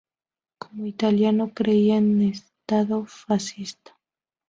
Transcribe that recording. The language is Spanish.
Como italiano, creía en el Estado fascista.